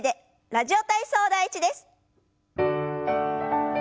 「ラジオ体操第１」です。